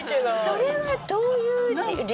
それはどういう理由？